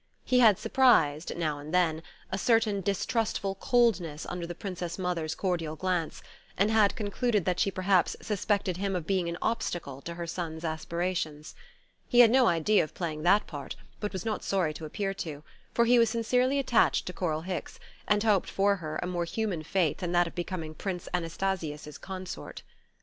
He had surprised, now and then, a certain distrustful coldness under the Princess Mother's cordial glance, and had concluded that she perhaps suspected him of being an obstacle to her son's aspirations. He had no idea of playing that part, but was not sorry to appear to; for he was sincerely attached to Coral Hicks, and hoped for her a more human fate than that of becoming Prince Anastasius's consort.